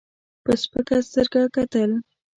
په سپکه سترګه کتل.